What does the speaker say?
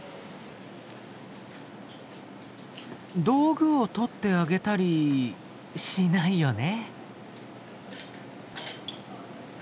道具を取ってあげたりしないよね。